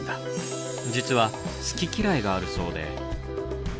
実は好き嫌いがあるそうで。